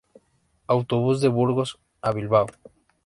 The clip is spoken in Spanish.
Autobús de Burgos a Bilbao.